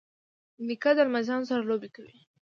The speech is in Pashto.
نیکه له لمسیانو سره لوبې کوي.